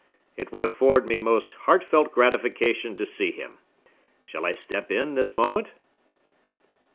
It would afford me most heartfelt gratification to see him! Shall I step in, this moment?"